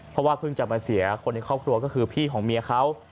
เพราะว่าเพิ่งจะมาเสียคนในครอบครัวก็คือพี่ของเมียเขา